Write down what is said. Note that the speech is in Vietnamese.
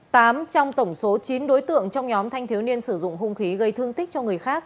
tám trong tổng số chín đối tượng trong nhóm thanh thiếu niên sử dụng hung khí gây thương tích cho người khác